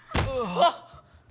あっ！